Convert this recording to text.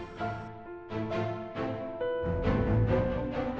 bapak coba ya bapak coba